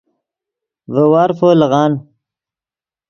ڤے وارفو لیغان